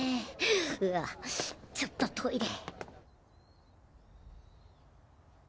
うちょっとトイレ！